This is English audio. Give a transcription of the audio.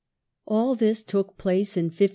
All this took place in 1533.